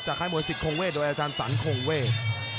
จากค่ายมวยสิทธิ์โครงเวทโดยอาจารย์สันโครงเวท